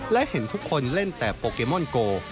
และเห็นทุกคนเล่นแต่โปเกมอนโก